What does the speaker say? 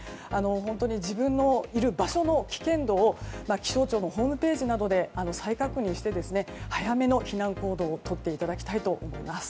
本当に自分のいる場所の危険度を気象庁のホームページなどで再確認して早めの避難行動をとっていただきたいと思います。